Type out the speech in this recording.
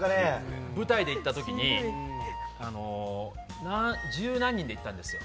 舞台で行ったときに十何人で行ったんですよ。